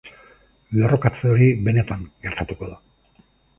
Lerrokatze hori benetan gertatuko da.